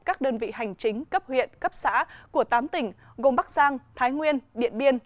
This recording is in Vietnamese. các đơn vị hành chính cấp huyện cấp xã của tám tỉnh gồm bắc giang thái nguyên điện biên